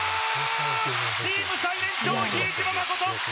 チーム最年長、比江島慎。